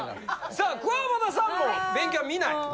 さあくわばたさんも勉強は見ない。